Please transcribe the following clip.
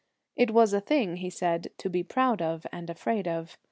It was a thing, he said, to be proud of and afraid of.